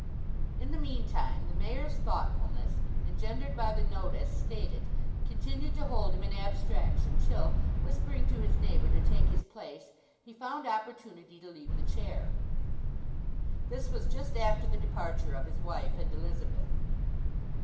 In the meantime the Mayor's thoughtfulness, engendered by the note as stated, continued to hold him in abstraction; till, whispering to his neighbour to take his place, he found opportunity to leave the chair. This was just after the departure of his wife and Elizabeth.